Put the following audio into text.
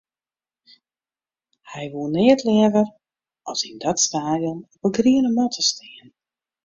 Hy woe neat leaver as yn dat stadion op 'e griene matte stean.